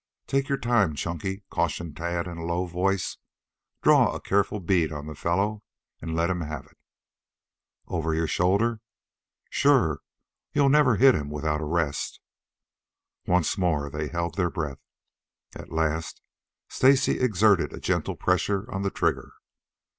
"Take your time, Chunky," cautioned Tad in a low voice. "Draw a careful bead on the fellow and let him have it." "Over your shoulder?" "Sure. You never'll hit him without a rest." Once more they held their breath. At last Stacy exerted a gentle pressure on the trigger.